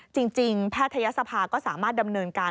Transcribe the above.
แพทยศภาก็สามารถดำเนินการ